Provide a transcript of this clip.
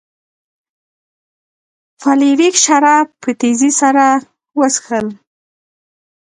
فلیریک شراب په تیزۍ سره وڅښل.